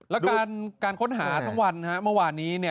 แล้วการค้นหาทั้งวันเมื่อวานนี้